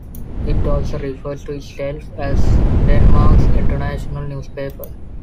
It also refers to itself as "Denmark's international newspaper".